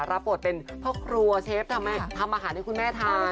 รับบทเป็นพ่อครัวเชฟทำอาหารให้คุณแม่ทาน